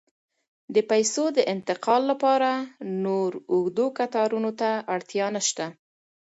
د پیسو د انتقال لپاره نور اوږدو کتارونو ته اړتیا نشته.